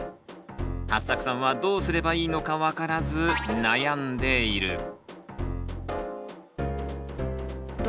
はっさくさんはどうすればいいのか分からず悩んでいる。